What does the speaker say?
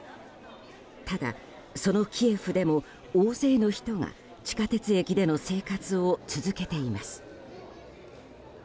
ただそのキエフでも大勢の人が地下鉄駅での生活を続けています。